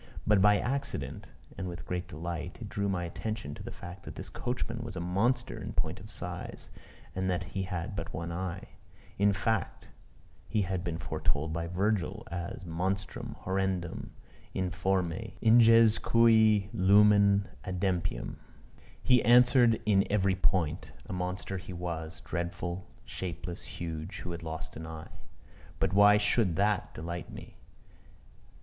But by accident, and with great delight, it drew my attention to the fact that this coachman was a monster in point of size, and that he had but one eye. In fact he had been foretold by Virgil as "Monstrum. horrendum, informe, ingens cui lumen adempium." He answered in every point a monster he was dreadful, shapeless, huge, who had lost an eye. But why should that delight me?